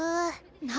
何？